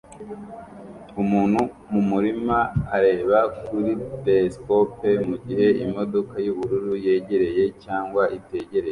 Umuntu mumurima areba kuri telesikope mugihe imodoka yubururu yegereye cyangwa itegereje